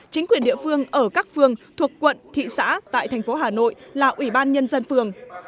chính quyền địa phương ở các phương thuộc quận thị xã tại thành phố hà nội là ủy ban nhân dân phường